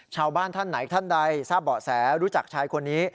ชาวบ้านท่านไหนท่านใดทราบเบาะแสรู้จักชายคนนี้